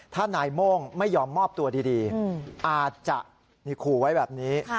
ถ้านายโม่งไม่ยอมมอบตัวดีอาจจะขู่ไว้แบบนี้